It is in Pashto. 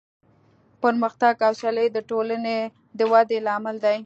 پرمختګ او سیالي د ټولنې د ودې لامل دی.